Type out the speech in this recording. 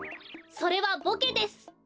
それはボケです。